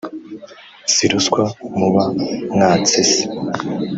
Si ruswa muba mwatse se